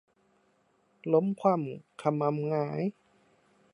ล้มคว่ำคะมำหงาย